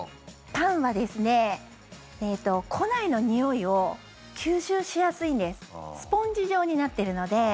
パンは庫内のにおいを吸収しやすいんですスポンジ状になってるので。